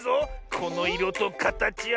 このいろとかたちは。